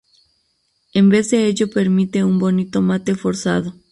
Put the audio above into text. En vez de ello permite un bonito mate forzado.